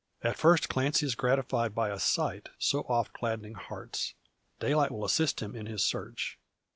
At first Clancy is gratified by a sight, so oft gladdening hearts. Daylight will assist him in his search.